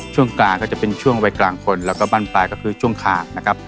ช่วงกลางก็จะเป็นช่วงวัยกลางคนแล้วก็บ้านปลายก็คือช่วงขาดนะครับ